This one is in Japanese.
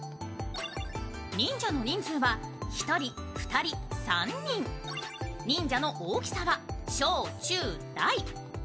忍者の人数は１人、２人、３人忍者の大きさは小・中・大。